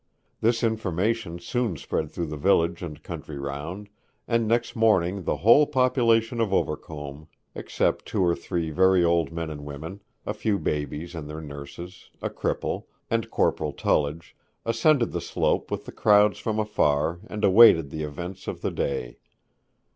This information soon spread through the village and country round, and next morning the whole population of Overcombe except two or three very old men and women, a few babies and their nurses, a cripple, and Corporal Tullidge ascended the slope with the crowds from afar, and awaited the events of the day.